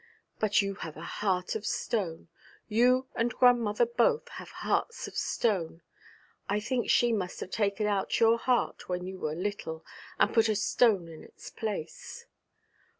But you have a heart of stone. You and grandmother both have hearts of stone. I think she must have taken out your heart when you were little, and put a stone in its place.'